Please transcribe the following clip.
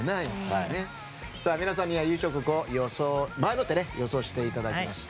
皆さんには優勝国を前もって予想していただきました。